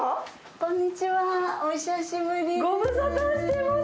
こんにちは、お久しぶりです。